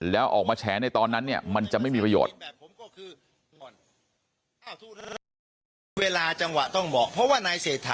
แล้วออกมาแฉในตอนนั้นเนี่ยมันจะไม่มีประโยชน์